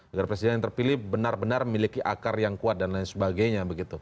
agar presiden yang terpilih benar benar memiliki akar yang kuat dan lain sebagainya